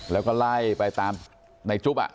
แล้วก็ไล่ไปตามในจุ๊บ